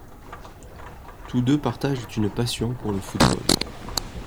Tous deux partagent une passion pour le football.